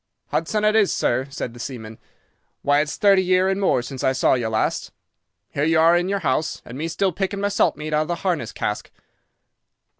"'Hudson it is, sir,' said the seaman. 'Why, it's thirty year and more since I saw you last. Here you are in your house, and me still picking my salt meat out of the harness cask.